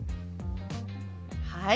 はい。